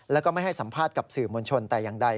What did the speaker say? แล้วก็ไม่ให้สัมภาษณ์กับสื่อมวลชนแต่อย่างใด